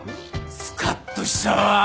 スカッとしたわ。